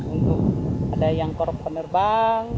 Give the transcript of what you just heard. untuk ada yang korp penerbang